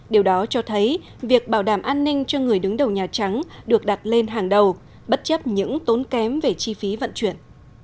điều đó cho thấy việc bảo đảm an ninh cho người đứng đầu nhà trắng được đặt lên hàng đầu bất chấp những tốn kém về chi phí vận chuyển